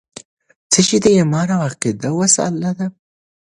څه شی د ایمان او عقیدې وسله ده؟